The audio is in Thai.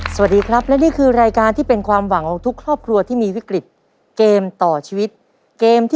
ซ่อมเดิน